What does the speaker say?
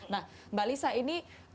nah mbak lisa ini